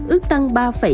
ước tăng ba năm mươi năm